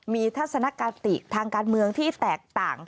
มีทัศนคติทางการเมืองที่แตกต่าง